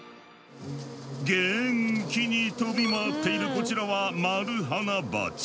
元気に飛び回っているこちらはマルハナバチ。